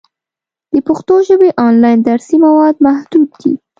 د پښتو ژبې آنلاین درسي مواد محدود دي.